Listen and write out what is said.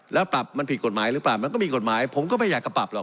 แล้วปรับมันผิดกฎหมายหรือเปล่ามันก็มีกฎหมายผมก็ไม่อยากจะปรับหรอ